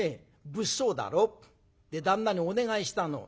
物騒だろで旦那にお願いしたの。